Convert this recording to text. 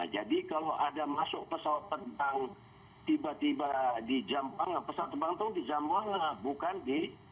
jadi kalau ada masuk pesawat tentang tiba tiba di jambang pesawat tbantung di jambang bukan di